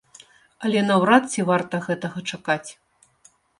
Але наўрад ці варта гэтага чакаць.